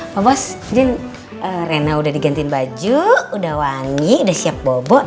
pa bos din rena udah digantiin baju udah wangi udah siap bobo